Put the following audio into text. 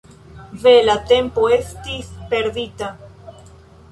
Ve, la tempo estis perdita.